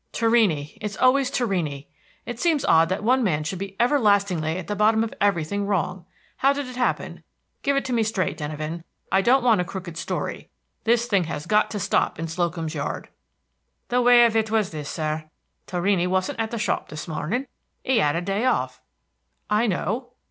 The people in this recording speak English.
"Torrini, it is always Torrini! It seems odd that one man should be everlastingly at the bottom of everything wrong. How did it happen? Give it to me straight, Denyven; I don't want a crooked story. This thing has got to stop in Slocum's Yard." "The way of it was this, sir: Torrini wasn't at the shop this morning. He 'ad a day off." "I know."